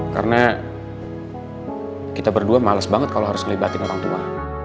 karena kita berdua males banget kalau harus ngelibatin orang tua